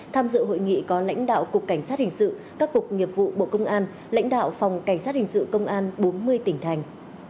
tham dự hội nghị có lãnh đạo cục cảnh sát hình sự các cục nghiệp vụ bộ công an lãnh đạo phòng cảnh sát hình sự công an bốn mươi tỉnh thành